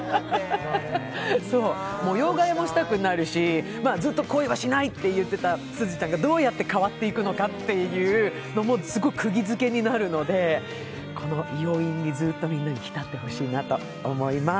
模様替えもしたくなるし、絶対恋はしないと言ってたすずちゃんがどうやって変わっていくのかというのもすごくくぎづけになるのでこの余韻にずっとみんなにひたってほしいなと思います。